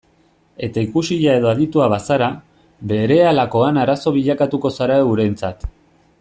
Eta ikusia edo aditua bazara, berehalakoan arazo bilakatuko zara eurentzat.